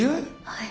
はい。